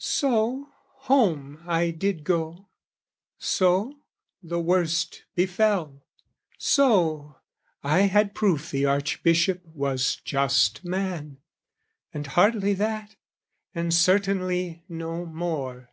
So, home I did go; so, the worst befell: So, I had proof the Archbishop was just man, And hardly that, and certainly no more.